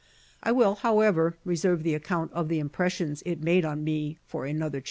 I will, however, reserve the account of the impressions it made on me for another chapter.